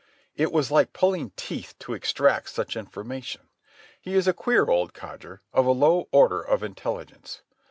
It was like pulling teeth to extract such information. He is a queer old codger, of a low order of intelligence.